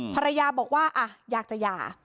ภรรยาบอกว่าอยากจะหย่า